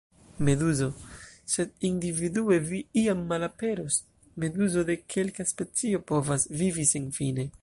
Meduzo: "Sed individue vi iam malaperos. Meduzo de kelka specio povas vivi senfine."